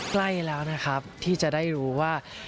ใกล้แล้วนะครับที่จะได้รู้ว่า